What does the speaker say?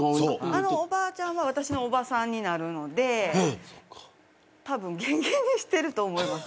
あのおばあちゃんは私のおばさんになるのでたぶん元気にしてると思います。